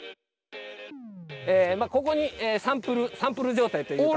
まあここにサンプル状態というか。